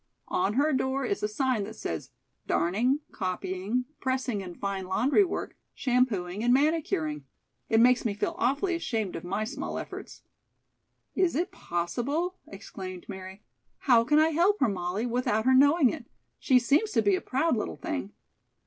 On her door is a sign that says, 'Darning, copying, pressing and fine laundry work, shampooing and manicuring.' It makes me feel awfully ashamed of my small efforts." "Is it possible?" exclaimed Mary. "How can I help her, Molly, without her knowing it? She seems to be a proud little thing."